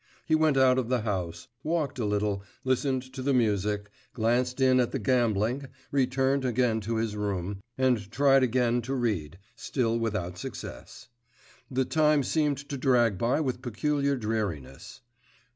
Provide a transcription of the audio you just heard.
He went out of the house, walked a little, listened to the music, glanced in at the gambling, returned again to his room, and tried again to read still without success. The time seemed to drag by with peculiar dreariness.